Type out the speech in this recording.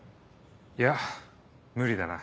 いや無理だな